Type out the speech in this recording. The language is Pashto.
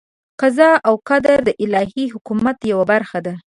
قضا او قدر د الهي حکمت یوه برخه ده.